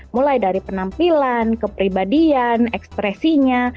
mulai dari penampilan kepribadian ekspresinya